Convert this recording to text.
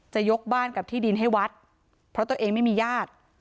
ยกบ้านกับที่ดินให้วัดเพราะตัวเองไม่มีญาติ